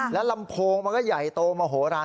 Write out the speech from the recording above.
แล้วลำโพงมันก็ใหญ่โตมโหลาน